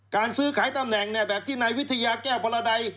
การซื้อขายตำแหน่งเนี่ยแบบที่ในวิทยาแก้วพะละใด